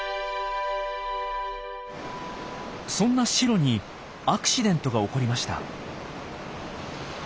そんなシロにアクシデントが起こりました。